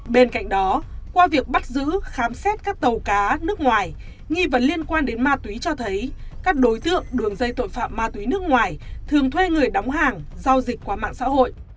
bên cạnh đó qua việc bắt giữ khám xét các tàu cá nước ngoài nghi vấn liên quan đến ma túy cho thấy các đối tượng đường dây tội phạm ma túy nước ngoài thường thuê người đóng hàng giao dịch qua mạng xã hội